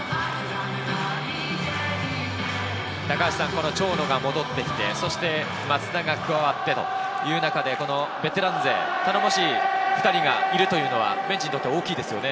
この長野が戻ってきて、そして、松田が加わってという中でベテラン勢、頼もしい２人がいるというのはベンチにとって大きいですよね。